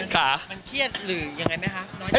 ค่ะ